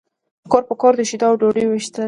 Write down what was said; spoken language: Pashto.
کور په کور د شیدو او ډوډۍ ویشل نشته